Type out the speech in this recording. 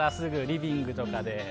リビングとかで。